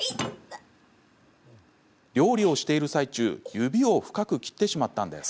料理をしている最中指を深く切ってしまったんです。